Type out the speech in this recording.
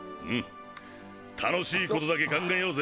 楽しいことだけ考えようぜ！